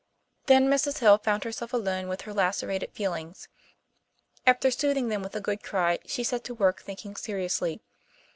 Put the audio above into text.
Then Mrs. Hill found herself alone with her lacerated feelings. After soothing them with a good cry, she set to work thinking seriously.